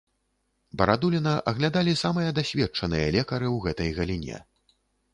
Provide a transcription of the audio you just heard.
Барадуліна аглядалі самыя дасведчаныя лекары ў гэтай галіне.